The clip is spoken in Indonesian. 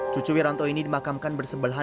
cucu wiranto ini dimakamkan bersebelahan